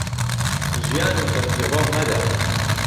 ژیانت بە فیڕۆ مەدە